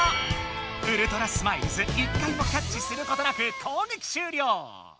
ウルトラスマイルズ１回もキャッチすることなくこうげきしゅうりょう！